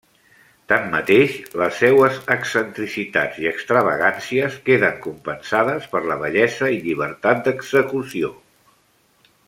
Tanmateix, les seues excentricitats i extravagàncies queden compensades per la bellesa i llibertat d'execució.